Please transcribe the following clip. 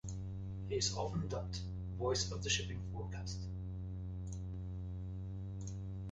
He is often dubbed "Voice of the Shipping Forecast".